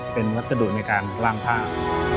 เป็นวัสดุในการล่างผ้า